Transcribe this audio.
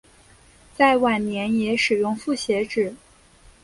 在晚年也使用复写纸。